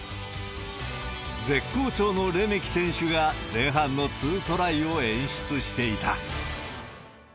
絶好調のレメキ選手が前半の２トライを演出していた。